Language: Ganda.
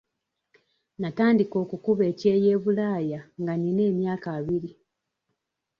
Natandika okukuba ekyeyo e bulaaya nga nina emyaka abiri.